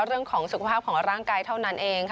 เรื่องของสุขภาพของร่างกายเท่านั้นเอง